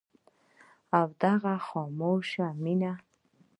او دغه خاموشه مينه